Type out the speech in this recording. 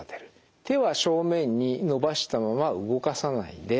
手は正面に伸ばしたまま動かさないで首をですね